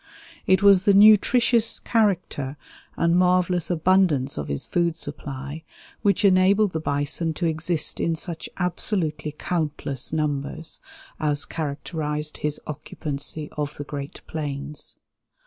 It was the nutritious character and marvelous abundance of his food supply which enabled the bison to exist in such absolutely countless numbers as characterized his occupancy of the great plains.